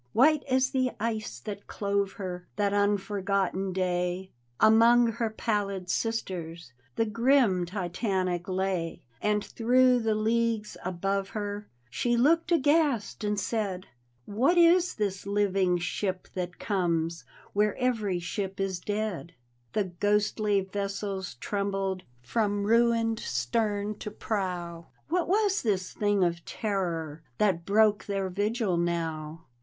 White as the ice that clove her That unforgotten day, Among her pallid sisters The grim Titanic lay. And through the leagues above her She looked aghast and said: " What is this living ship that comes Where every ship is dead ?" The ghostly vessels trembled From ruined stem to prow; What was this thing of terror That broke their vigil now?